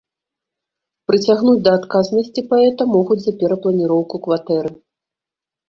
Прыцягнуць да адказнасці паэта могуць за перапланіроўку кватэры.